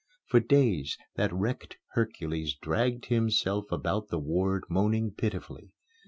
For days, that wrecked Hercules dragged himself about the ward moaning pitifully.